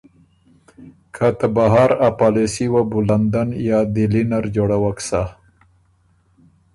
که ته بهر ا پالېسي وه بُو لندن یا دهلي نر جوړَوَک سَۀ۔